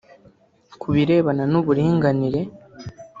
Ku birebana n’ uburinganire